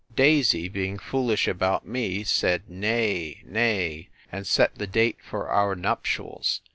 Daisy, being foolish about me, said nay, nay; and set the date for our nuptials.